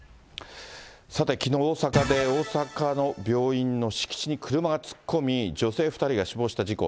さてきのう、大阪で大阪の病院の敷地に車が突っ込み、女性２人が死亡した事故。